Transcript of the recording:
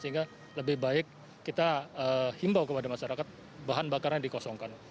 sehingga lebih baik kita himbau kepada masyarakat bahan bakarnya dikosongkan